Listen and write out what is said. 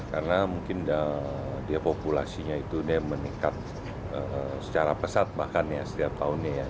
karena mungkin dia populasinya itu dia meningkat secara pesat bahkan ya setiap tahunnya ya